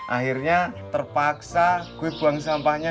akhirnya terpaksa gue buang sampahnya